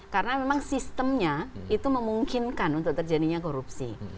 karena memang sistemnya itu memungkinkan untuk terjadinya korupsi